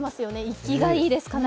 生きがいいです。